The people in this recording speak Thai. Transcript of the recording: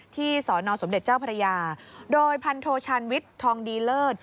สอนอสมเด็จเจ้าพระยาโดยพันโทชาญวิทย์ทองดีเลิศ